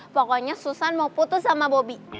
pokoknya susan mau putus sama bobi